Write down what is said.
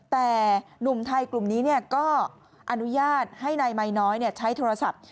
แต่หนุ่มไทยกลุ่มนี้ก็อนุญาตให้นายมายน้อยใช้โทรศัพท์